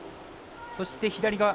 そして左側